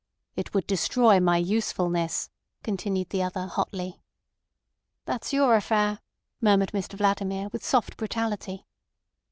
"It would destroy my usefulness," continued the other hotly. "That's your affair," murmured Mr Vladimir, with soft brutality.